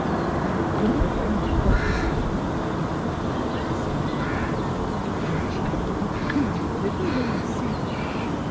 " That woman from Bos ton," began the wife of the senior deacon, u is a child of Be lial, if ever I see one.